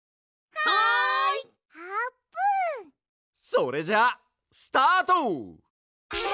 それじゃあスタート！